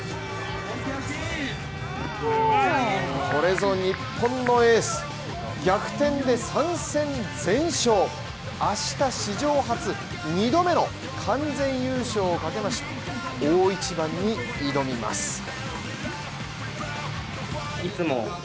これぞ日本のエース、逆転で３戦全勝、明日史上初、２度目の完全優勝をかけ大一番に挑みます。